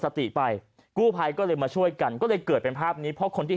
สติไปกู้ภัยก็เลยมาช่วยกันก็เลยเกิดเป็นภาพนี้เพราะคนที่